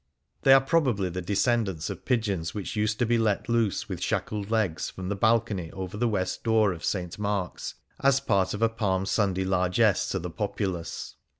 They are probably the descendants of pigeons which used to be let loose with shackled legs from the balcony over the west door of St. Mark's as part of a Palm Sunday largess to the populace.